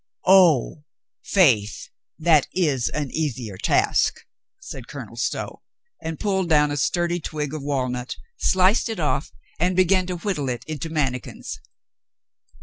"Oh ! Faith, that is an easier task," said Colonel Stow, and pulled down a sturdy twig of walnut, sliced it off, and began to whittle it into mannikins.